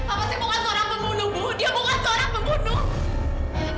apa saya bukan seorang pembunuh bu dia bukan seorang pembunuh